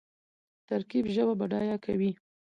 ترکیب ژبه بډایه کوي.